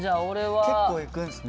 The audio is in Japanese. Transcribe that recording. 結構いくんですね。